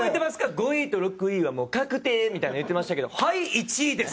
「５位と６位はもう確定」みたいな言ってましたけどはい、１位です。